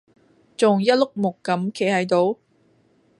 仲一碌木咁企喺度？